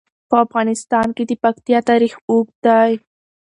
په افغانستان کې د پکتیا تاریخ اوږد دی.